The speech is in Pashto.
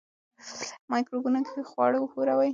مایکروویو کې خواړه وښوروئ.